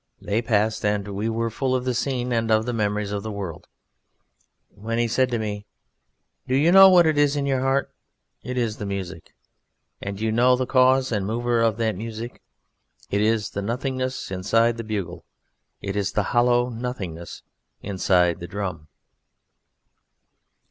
They passed, and we were full of the scene and of the memories of the world, when he said to me: "Do you know what is in your heart? It is the music. And do you know the cause and Mover of that music? It is the Nothingness inside the bugle; it is the hollow Nothingness inside the Drum."